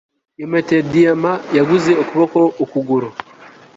Iyo mpeta ya diyama yaguze ukuboko ukuguru